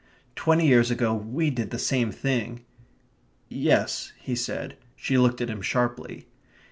"Twenty years ago we did the same thing." "Yes," he said. She looked at him sharply.